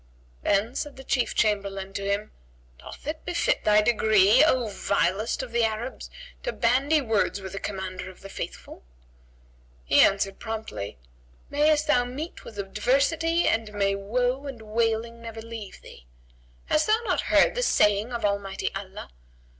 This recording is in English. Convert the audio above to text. Then said the Chief Chamberlain to him, "Doth it befit thy degree, O vilest of the Arabs, to bandy words with the Commander of the Faithful?" He answered promptly, "Mayest thou meet with adversity and may woe and wailing never leave thee! Hast thou not heard the saying of Almighty Allah?